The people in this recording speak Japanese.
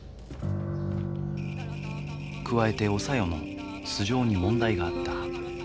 加えてお小夜の素性に問題があった。